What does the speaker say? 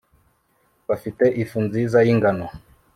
bafite ifu nziza yingano